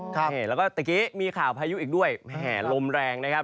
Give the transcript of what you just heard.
ใช่แล้วก็ตะกี้มีข่าวพายุอีกด้วยแห่ลมแรงนะครับ